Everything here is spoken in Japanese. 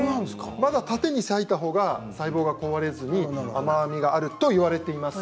縦に割いた方が細胞が壊れずに甘みがあるといわれています。